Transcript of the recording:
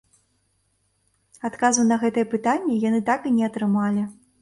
Адказу на гэтае пытанне яны так і не атрымалі.